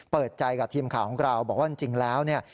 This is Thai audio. เปิดใจกับทีมข่าวของเราบอกว่าจริงแล้วเนี่ย